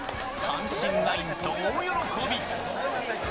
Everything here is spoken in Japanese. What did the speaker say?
阪神ナインと大喜び。